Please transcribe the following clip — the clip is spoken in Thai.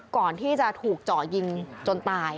ก่อนที่จะถูกเจาะยิงจนตาย